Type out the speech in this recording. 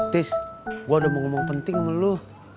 tis gua udah mau ngomong penting sama lu